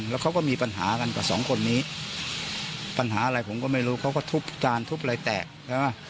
แล้วเขาก็มีปัญหากันกับสองคนนี้ปัญหาอะไรผมก็ไม่รู้เขาก็ทุบจานทุบอะไรแตกใช่ไหม